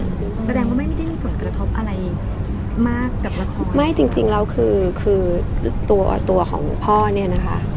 แสดงว่าไม่ได้มีผลกระทบอะไรมากกับละครไม่จริงจริงแล้วคือคือตัวตัวของพ่อเนี่ยนะคะ